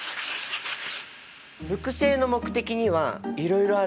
複製の目的にはいろいろあるんですよね。